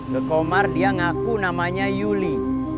kekomar dia ngaku namanya yuli